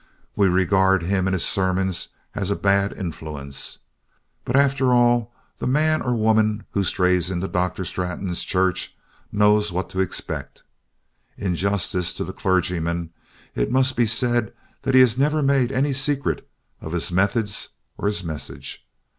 We regard him and his sermons as a bad influence. But after all, the man or woman who strays into Dr. Straton's church knows what to expect. In justice to the clergyman it must be said that he has never made any secret of his methods or his message.